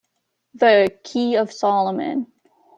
The "Key of Solomon".